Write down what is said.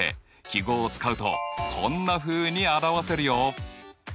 記号を使うとこんなふうに表せるよ。